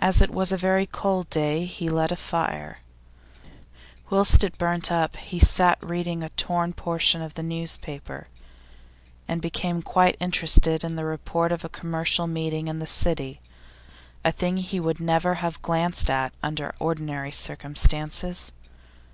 As it was a very cold day he lit a fire. Whilst it burnt up he sat reading a torn portion of a newspaper, and became quite interested in the report of a commercial meeting in the City, a thing he would never have glanced at under ordinary circumstances.